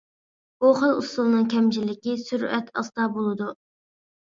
بۇ خىل ئۇسۇلنىڭ كەمچىلىكى سۈرئەت ئاستا بولىدۇ.